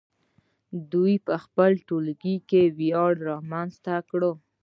دوی په خپل ټولګي کې یووالی رامنځته کړ.